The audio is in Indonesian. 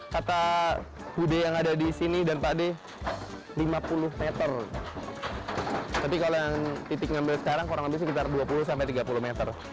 kata gede yang ada di sini dan tadi lima puluh m tapi kalau yang ngambil sekarang kurang lebih dua puluh tiga puluh m